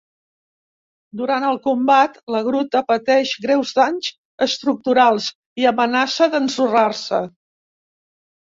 Durant el combat, la gruta pateix greus danys estructurals i amenaça d'ensorrar-se.